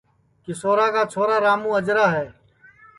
کیشورا کا چھورا راموں اجرا ہے